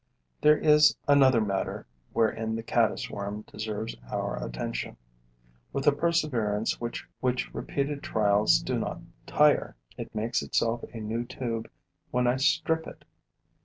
There is another matter wherein the caddis worm deserves our attention. With a perseverance which repeated trials do not tire, it makes itself a new tube when I strip it.